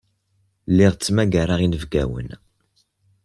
Lliɣ ttmagareɣ inebgawen.